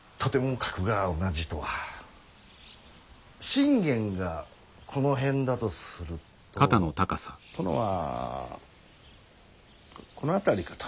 信玄がこの辺だとすると殿はこの辺りかと。